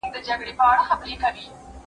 زه له سهاره لاس پرېولم!